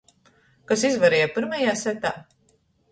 Kas izvarēja pyrmajā setā?